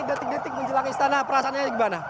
detik detik menjelang istana perasaannya gimana